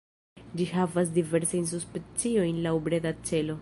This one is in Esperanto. Ĝi havas diversajn subspeciojn laŭ breda celo.